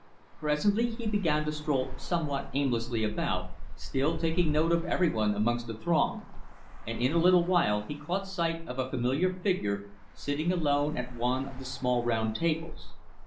Presently he began to stroll somewhat aimlessly about, still taking note of every one amongst the throng, and in a little while he caught sight of a familiar figure, sitting alone at one of the small round tables.